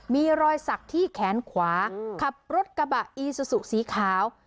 มีรอยสักที่แขนขวาขับรถกระบะอีซูซูสีขาว